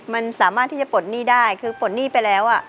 มันสามารถที่จะปลดหนี้ได้คือปลดหนี้ไปแล้ว